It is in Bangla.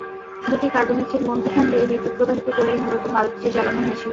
দুটি কার্বনের ঠিক মধ্যখান দিয়ে বিদ্যুৎ প্রবাহিত করেই মূলত বাল্বটি জ্বালানো হয়েছিল।